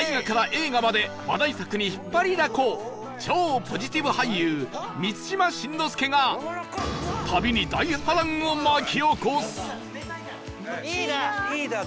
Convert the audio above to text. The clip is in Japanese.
映画まで話題作に引っ張りだこ超ポジティブ俳優満島真之介が旅に大波乱を巻き起こすリーダー！